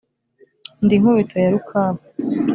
Ndi Nkubito ya Rukabu